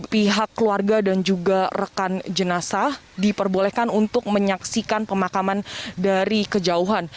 pihak keluarga dan juga rekan jenazah diperbolehkan untuk menyaksikan pemakaman dari kejauhan